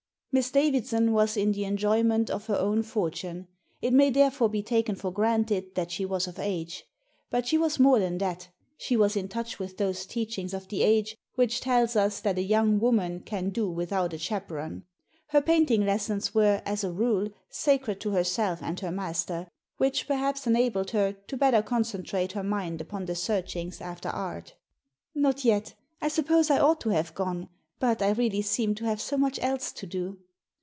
Miss Davidson was in the enjoyment of her own fortune. It may therefore be taken for granted that she was of age. But she was more than that ; she was in touch with those teachings of the age which tells us that a young woman can do without a chaperon. Her painting lessons were, as a rule, sacred to herself and her master — ^which, perhaps^ enabled her to better concentrate her mind upon her searchings after art Digitized by VjOOQIC 122 THE SEEN AND THE UNSEEN "Not yet I suppose I ought to have gone, but I really seem to have so much else to do."